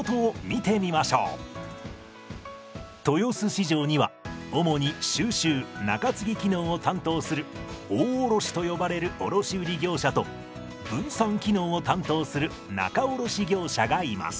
市場には主に収集仲継機能を担当する大卸と呼ばれる卸売業者と分散機能を担当する仲卸業者がいます。